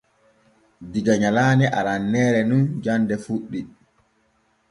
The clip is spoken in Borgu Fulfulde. Diga nyalaane arandeere nin jande fuɗɗi.